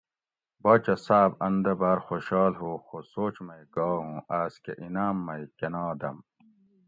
باچہ صاۤب ان دہ باۤر خوشال ہُو خو سوچ مئی گا اُوں آۤس کہ انعام مئی کۤناں دۤم